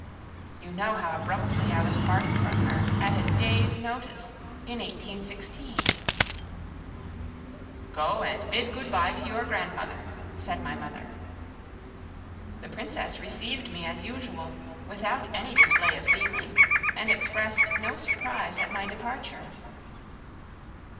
You know how abruptly I was parted from her, at a day's notice, in 1816. "Go and bid good bye to your grandmother," said my mother. The Princess received me as usual, without any display of feeling, and expressed no surprise at my departure.